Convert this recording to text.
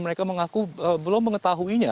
mereka mengaku belum mengetahuinya